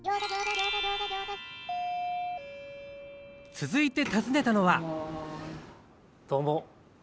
続いて訪ねたのはどうも。